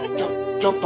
ちょっと。